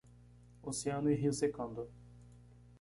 Oceano e rio secando